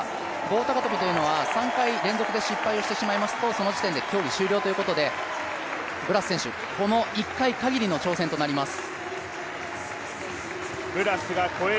棒高跳というのは３回連続で失敗してしまいますとその時点で競技終了ということで、ブラス選手、この１回限りの挑戦となります。